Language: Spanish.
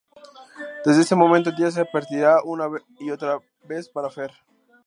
Desde ese momento el día se repetirá una y otra vez para Fer.